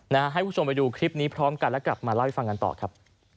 ให้ผู้ชมไปดูคลิปนี้พร้อมกันและกลับมาเล่าให้ฟังกันต่อครับ